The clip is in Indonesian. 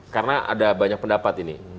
karena ada banyak pendapat ini